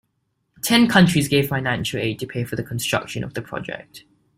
Ten countries gave financial aid to pay for the construction of the project.